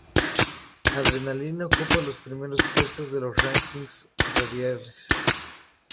Adrenalina ocupa los primeros puestos de los ranking radiales.